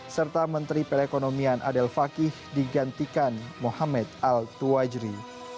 serta menteri perekonomian adel fakih digantikan mohamed al tuwajri